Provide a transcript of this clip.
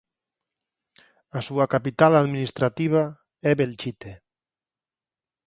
A súa capital administrativa é Belchite.